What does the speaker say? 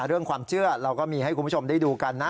เรื่องความเชื่อเราก็มีให้คุณผู้ชมได้ดูกันนะ